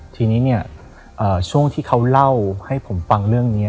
ทีนี้เนี่ยช่วงที่เขาเล่าให้ผมฟังเรื่องนี้